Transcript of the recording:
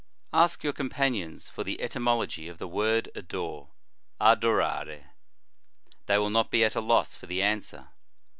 Ask your companions for the etymology of the word adore, adorare. They will not be at a loss for the answer.